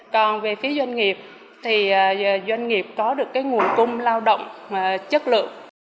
còn về phía doanh nghiệp thì doanh nghiệp có được cái nguồn cung lao động chất lượng